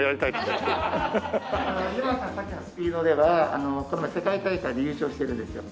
さっきのスピードでは世界大会で優勝してるんですよ。